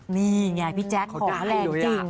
นี่ไงพี่แจ๊คของแรงจริง